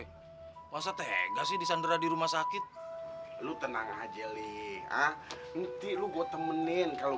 hai wasat eh gak sih disandera di rumah sakit lu tenang aja liha ngerti lu go temenin kalau